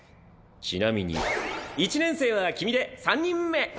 ちなみに一年生は君で３人目。